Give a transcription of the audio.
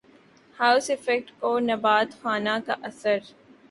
house effect کو نبات خانہ کا اثر